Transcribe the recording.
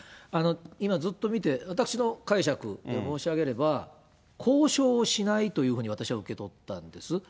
今ずっと見て、私の解釈で申し上げれば、交渉をしないというふうに私は受け取ったんです。